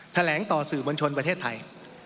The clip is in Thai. แถลงต่อสื่อมวลชนประเทศไทย